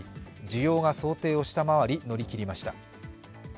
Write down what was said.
需要が想定を下回り、乗りきりました。